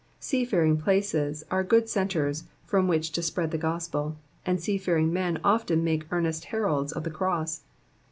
Seafaring places are good centres from which to spread the gospel ; and seafaring men often make earnest heralds of the cross.